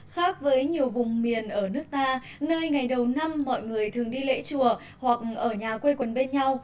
khác với nhiều vùng miền ở nước ta nơi ngày đầu năm mọi người thường đi lễ chùa hoặc ở nhà quây quần bên nhau